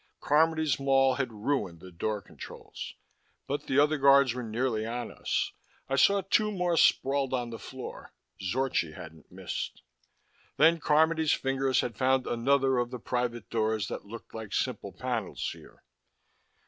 Carmody's maul had ruined the door controls. But the other guards were nearly on us. I saw two more sprawled on the floor. Zorchi hadn't missed. Then Carmody's fingers had found another of the private doors that looked like simple panels here.